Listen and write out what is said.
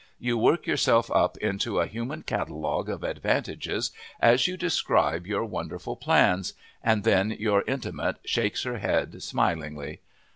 You work yourself up into a human catalogue of advantages as you describe your wonderful plans, and then your Intimate shakes her head smilingly.